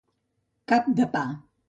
Cap de pa.